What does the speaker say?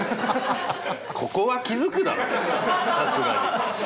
ここは気づくだろさすがに。